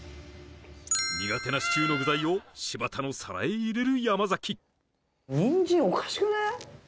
苦手なシチューの具材を柴田の皿へ入れる山崎